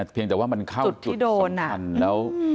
เพียงแต่ว่ามันเข้าจุดสำคัญ